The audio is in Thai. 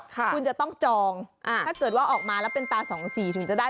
คุณจะต้องจองถ้าเกิดว่าออกมาแล้วเป็นตา๒๔ถึงจะได้